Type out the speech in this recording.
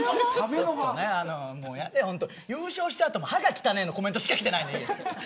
優勝した後も歯が汚いのコメントしかきてない。